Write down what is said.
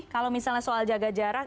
kalau misalnya soal jaga jarak